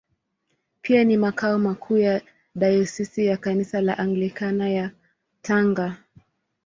Pia ni makao makuu ya Dayosisi ya Kanisa la Anglikana ya Tanga.